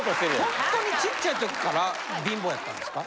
ほんとに小っちゃい時から貧乏やったんですか？